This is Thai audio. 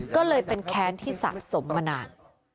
ก็เลยเป็นแค้นที่สะสมมานาน